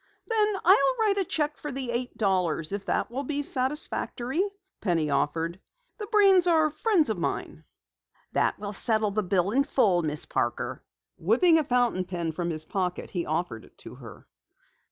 "Then I'll write a cheque for the eight dollars if that will be satisfactory," Penny offered. "The Breens are friends of mine." "That will settle the bill in full, Miss Parker." Whipping a fountain pen from his pocket, he offered it to her.